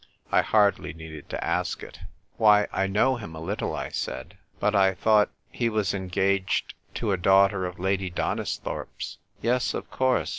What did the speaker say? I hardly needed to ask it. "Why, 1 know him a little," I said. " But I thought — he was engaged to a daughter of Lady Donisthorpe's." " Yes, of course.